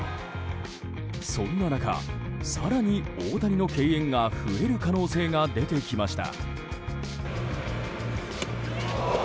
そんな中、更に大谷の敬遠が増える可能性が出てきました。